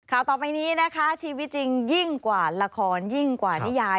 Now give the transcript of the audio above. ต่อไปนี้นะคะชีวิตจริงยิ่งกว่าละครยิ่งกว่านิยาย